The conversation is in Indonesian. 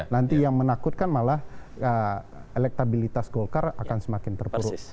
nanti yang menakutkan malah elektabilitas golkar akan semakin terpuruk